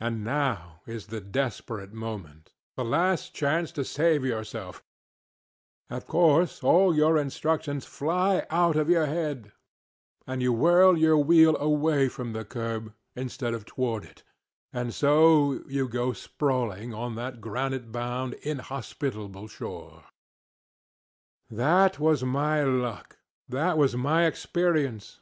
And now is the desperate moment, the last chance to save yourself; of course all your instructions fly out of your head, and you whirl your wheel AWAY from the curb instead of TOWARD it, and so you go sprawling on that granite bound inhospitable shore. That was my luck; that was my experience.